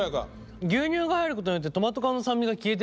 牛乳が入ることによってトマト缶の酸味が消えてるね。